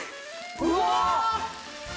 うわ！